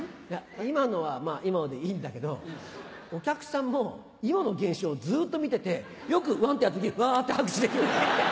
今のは今のでいいんだけどお客さんも今の現象をずっと見ててよくうわって拍手できるね。